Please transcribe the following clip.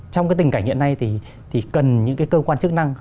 trong cái tình cảnh hiện nay thì cần những cái cơ quan chức năng